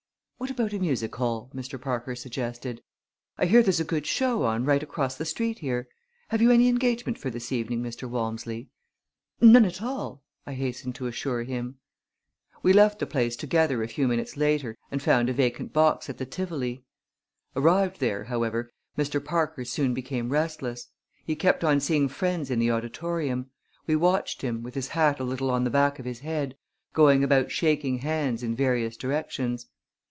"What about a music hall?" Mr. Parker suggested. "I hear there's a good show on right across the street here. Have you any engagement for this evening, Mr. Walmsley?" "None at all," I hastened to assure him. We left the place together a few minutes later and found a vacant box at the Tivoli. Arrived there, however, Mr. Parker soon became restless. He kept on seeing friends in the auditorium. We watched him, with his hat a little on the back of his head, going about shaking hands in various directions.